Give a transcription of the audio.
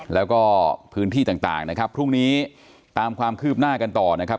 แล้วก็พื้นที่ต่างนะครับพรุ่งนี้ตามความคืบหน้ากันต่อนะครับ